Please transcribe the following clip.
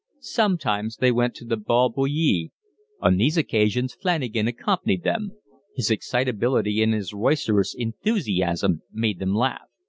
Sometimes they went to the Bal Bullier. On these occasions Flanagan accompanied them. His excitability and his roisterous enthusiasm made them laugh.